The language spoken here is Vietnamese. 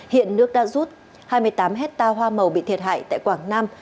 hiện nước đã rút hai mươi tám hectare hoa màu bị thiệt hại tại quảng nam